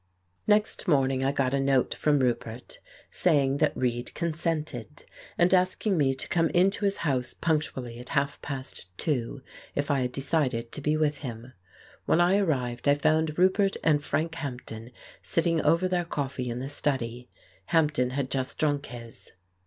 Next morning I got a note from Roupert, saying that Reid consented, and asking me to come in to his house punctually at half past two, if I had decided to be with him. When I arrived I found Roupert and Frank Hampden sitting over their coffee in the study. Hampden had just drunk his.